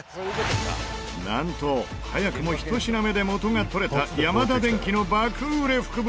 なんと、早くも１品目で元が取れたヤマダデンキの爆売れ福袋